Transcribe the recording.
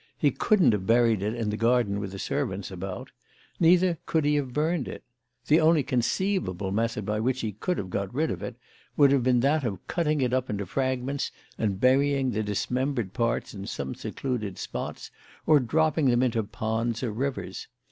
He couldn't have buried it in the garden with the servants about; neither could he have burned it. The only conceivable method by which he could have got rid of it would have been that of cutting it up into fragments and burying the dismembered parts in some secluded spots or dropping them into ponds or rivers.